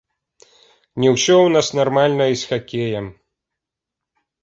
Не ўсё у нас нармальна і з хакеем.